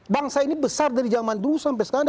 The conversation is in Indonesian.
bangsa ini besar dari zaman dulu sampai sekarang